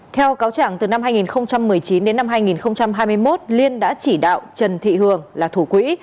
theo cáo trạng từ năm hai nghìn một mươi chín đến năm hai nghìn hai mươi một liên đã chỉ đạo trần thị hường là thủ quỹ